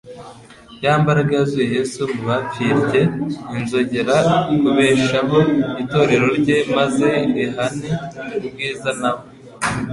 Ya mbaraga yazuye Yesu mu bapfirye, izongera kubeshaho itorero rye maze irihane ubwiza nawe,